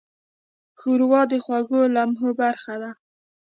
ښوروا د خوږو لمحو برخه ده.